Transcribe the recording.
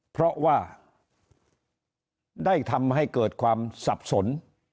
เพราะว่าได้ทำให้เกิดความสับสน